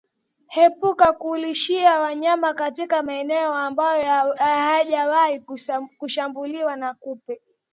Epuka kulishia wanyama katika maeneo ambayo yamewahi kushambuliwa na kupe